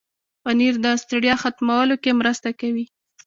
پنېر د ستړیا ختمولو کې مرسته کوي.